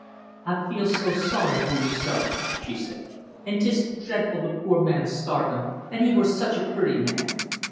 "I feels so sorry for you, sir," she said. "An' 'tis dreadful th' poor man's starvin', an' he were such a pretty man.